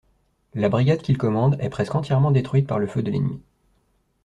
La brigade qu'il commande est presque entièrement détruite par le feu de l'ennemi.